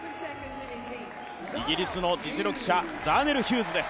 イギリスの実力者ザーネル・ヒューズです。